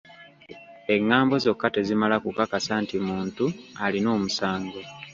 Engambo zokka tezimala kukakasa nti muntu alina omusango.